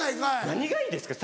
何がいいですか？